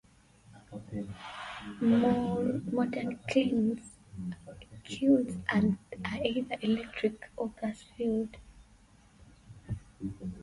Modern kilns are either electric or gas-fired.